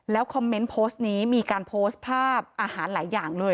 คอมเมนต์โพสต์นี้มีการโพสต์ภาพอาหารหลายอย่างเลย